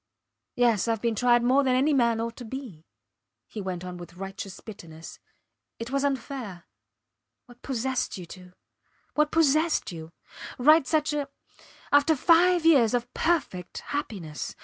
Yes; Ive been tried more than any man ought to be, he went on with righteous bitterness. It was unfair. What possessed you to? ... What possessed you? ... Write such a ... After five years of perfect happiness!